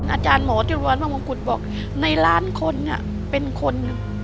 อาจารย์หมอที่รวรรณภังวงกุฎบอกในล้านคนอ่ะเป็นคน